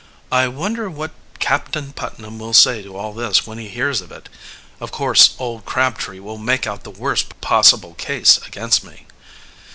"I wonder what Captain Putnam will say to all this when he hears of it? Of course old Crabtree will make out the worst possible case against me."